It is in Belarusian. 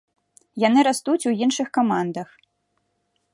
Яны растуць у іншых камандах.